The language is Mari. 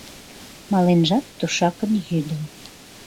Маленжат тушакын йӱдым